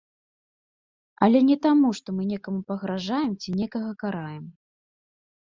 Але не таму, што мы некаму пагражаем ці некага караем.